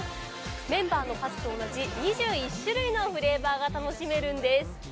メンバーの数と同じ２１種類のフレーバーが楽しめるんです。